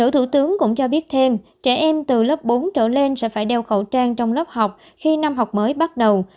thủ tướng cũng cho biết thêm trẻ em từ lớp bốn trở lên sẽ phải đeo khẩu trang trong lớp học khi năm học mới bắt đầu